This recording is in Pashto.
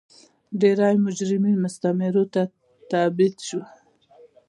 ډېری مجرمین مستعمرو ته تبعید شول.